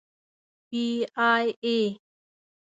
پی ای اې.